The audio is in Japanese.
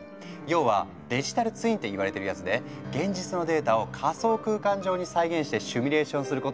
要はデジタルツインって言われてるやつで現実のデータを仮想空間上に再現してシミュレーションすることができるの。